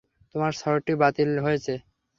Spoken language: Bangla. তোমার সর্টি বাতিল হয়েছে।